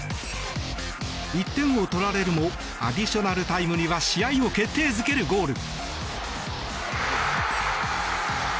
１点を取られるもアディショナルタイムには試合を決定付けるゴール。